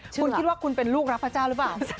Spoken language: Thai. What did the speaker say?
คุณคิดว่าคุณเป็นลูกรักพระเจ้าหรือเปล่า